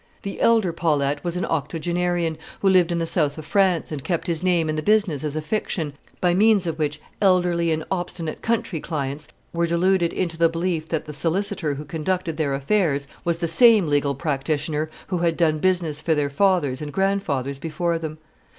The elder Paulette was an octogenarian, who lived in the south of France, and kept his name in the business as a fiction, by means of which elderly and obstinate country clients were deluded into the belief that the solicitor who conducted their affairs was the same legal practitioner who had done business for their fathers and grandfathers before them.